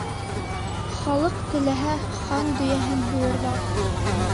Халыҡ теләһә хан дөйәһен һуйҙырыр.